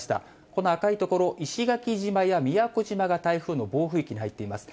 この赤い所、石垣島や宮古島が台風の暴風域に入っています。